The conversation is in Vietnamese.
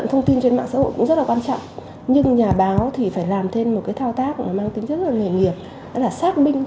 hỏi nhà báo là ngoài